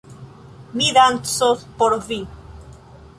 Mi dancos por vi.